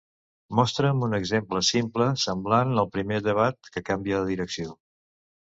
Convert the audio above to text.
Mostrem un exemple simple semblant al primer llevat que canvia la direcció.